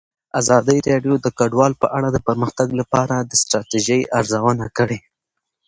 ازادي راډیو د کډوال په اړه د پرمختګ لپاره د ستراتیژۍ ارزونه کړې.